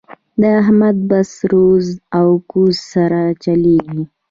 د احمد بس روز او ګوز سره چلېږي.